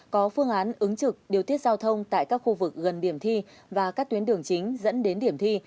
có phương án ứng trực điều tiết giao thông tại các khu vực gần điểm thi và các tuyến đường chính dẫn đến điểm thi